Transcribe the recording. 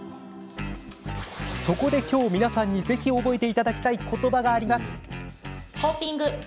そこで今日、皆さんにぜひ覚えていただきたい言葉があります。